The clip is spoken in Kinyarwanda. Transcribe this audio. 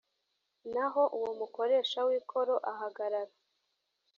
naho uwo mukoresha w ikoro ahagarara